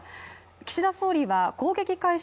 岸田総理は攻撃開始